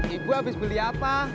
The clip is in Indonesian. ibu habis beli apa